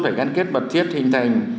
phải gắn kết bậc thiết hình thành